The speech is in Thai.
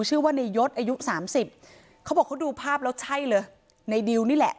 ชื่อว่าในยศอายุสามสิบเขาบอกเขาดูภาพแล้วใช่เลยในดิวนี่แหละ